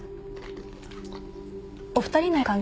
お二人の関係って。